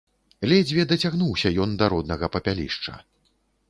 Ледзьве дацягнуўся ён да роднага папялішча.